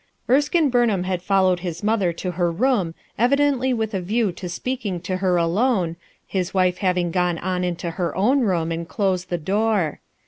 Erskine Burnham had followed his mother to her room evidently with a view to speaking to her alone, his wife having gone on into her own room and closed the door.